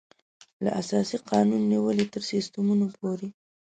له اساسي قانون نېولې تر سیسټمونو پورې.